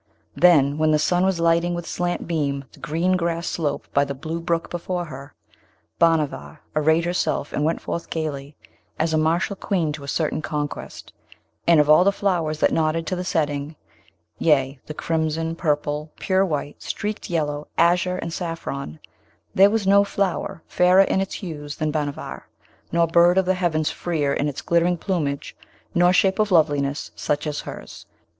Then when the sun was lighting with slant beam the green grass slope by the blue brook before her, Bhanavar arrayed herself and went forth gaily, as a martial queen to certain conquest; and of all the flowers that nodded to the setting, yea, the crimson, purple, pure white, streaked yellow, azure, and saffron, there was no flower fairer in its hues than Bhanavar, nor bird of the heavens freer in its glittering plumage, nor shape of loveliness such as hers.